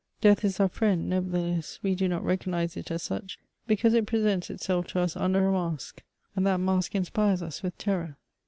Death is oar friend, nevertheless we db not recognise it as such, because it presents itself to us under a mask, and that mask inspires us with terror.